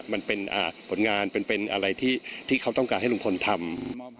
มันเป็นผลงานเป็นอะไรที่เขาต้องการให้ลุงพลทำ